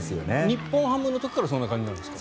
日本ハムの時からそんな感じですか？